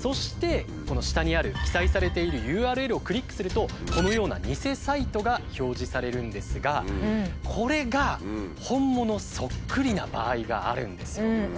そしてこの下にある記載されているＵＲＬをクリックするとこのような偽サイトが表示されるんですがこれが本物そっくりな場合があるんですよ。